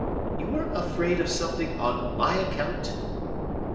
you were afraid of something on my account?"